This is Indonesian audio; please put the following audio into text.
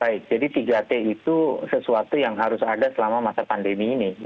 baik jadi tiga t itu sesuatu yang harus ada selama masa pandemi ini